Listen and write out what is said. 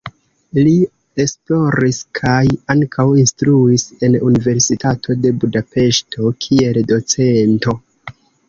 Li esploris kaj ankaŭ instruis en Universitato de Budapeŝto kiel docento.